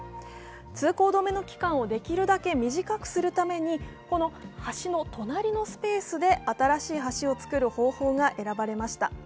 通行止めの期間をできるだけ短くするためにこの橋の隣のスペースで新しい橋を作る方法が選ばれました。